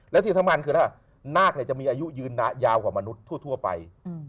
และที่สำคัญคือถ้านาคจะมีอายุยืนยาวกว่ามนุษย์ทั่วไป